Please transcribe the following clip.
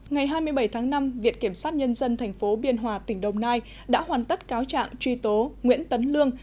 ngày hai mươi bảy tháng năm viện kiểm soát nhân dân thành phố biên hòa tỉnh đồng nai đã hoàn tất cáo trạng truy tố nguyễn tấn lương